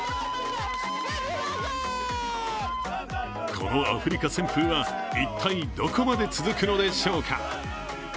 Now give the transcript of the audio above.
このアフリカ旋風は一体どこまで続くのでしょうか。